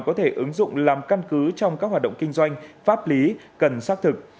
có thể ứng dụng làm căn cứ trong các hoạt động kinh doanh pháp lý cần xác thực